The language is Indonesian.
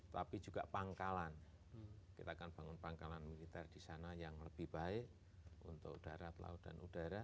tapi juga pangkalan kita akan bangun pangkalan militer di sana yang lebih baik untuk darat laut dan udara